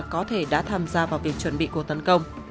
có thể đã tham gia vào việc chuẩn bị cuộc tấn công